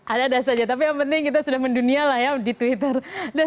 ada ada saja tapi yang penting kita sudah mendunia lah ya di twitter